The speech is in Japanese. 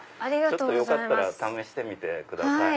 よかったら試してみてください。